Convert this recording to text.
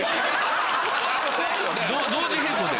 同時並行で。